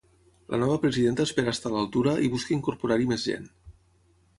La nova presidenta espera estar a l'altura i busca incorporar-hi més gent.